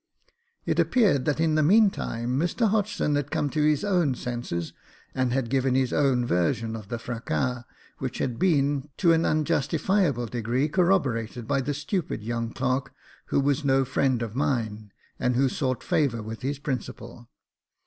It appeared that in the meantime, Mr Hodgson had come to his own senses, and had given his own version of the fracas, which had been, to an unjusti fiable degree, corroborated by the stupid young clerk, who was no friend of mine, and who sought favour with his principal.